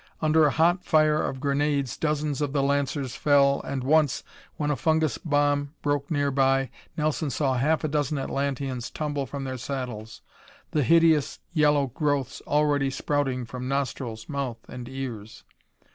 Under a hot fire of grenades dozens of the lancers fell and once, when a fungus bomb broke near by, Nelson saw half a dozen Atlanteans tumble from their saddles, the hideous yellow growths already sprouting from nostrils, mouth and ears.